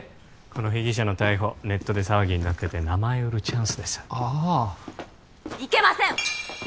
この被疑者の逮捕ネットで騒ぎになってて名前を売るチャンスでさああいけません！